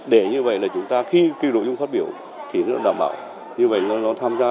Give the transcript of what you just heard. để như vậy là chúng ta khi cái nội dung phát biểu thì nó đảm bảo như vậy nó tham gia